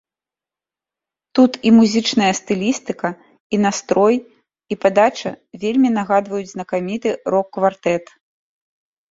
Тут і музычная стылістыка, і настрой, і падача вельмі нагадваюць знакаміты рок-квартэт.